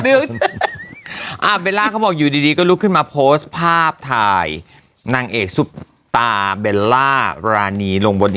เบลล่าเขาบอกอยู่ดีก็ลุกขึ้นมาโพสต์ภาพถ่ายนางเอกซุปตาเบลล่ารานีลงบน